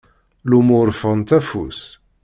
Lumuṛ ffɣent afus.